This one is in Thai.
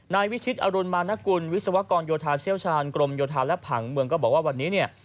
นายวิชิตอรุณมานกุลวิศวกรโยธาเชี่ยวชาญกรมโยธาและผังเมืองก็บอกว่าวันนี้เนี่ย